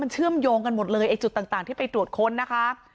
เชื่อมโยงกันหมดเลยไอ้จุดต่างที่ไปตรวจค้นนะคะ